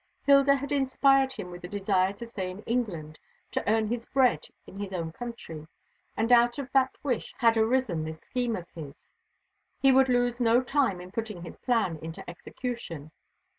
Hilda had inspired him with the desire to stay in England, to earn his bread in his own country, and out of that wish had arisen this scheme of his. He would lose no time in putting his plan into execution.